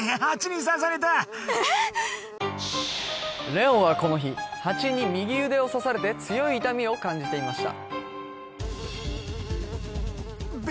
レオンはこの日ハチに右腕を刺されて強い痛みを感じていました